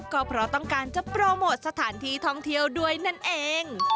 ก็เพราะต้องการจะโปรโมทสถานที่ท่องเที่ยวด้วยนั่นเอง